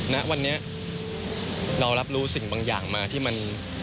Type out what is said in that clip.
ณวันนี้เรารับรู้สิ่งบางอย่างมาที่มัน